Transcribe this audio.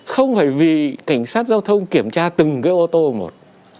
không phải vì cảnh sát giao thông kiểm tra từng cái ô tô một